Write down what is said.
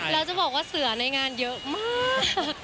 แล้วจะบอกว่าเสือในงานเยอะมาก